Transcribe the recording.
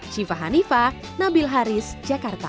syifa hanifah nabil haris jakarta